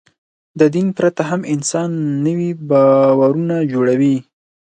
د دین پرته هم انسان نوي باورونه جوړوي.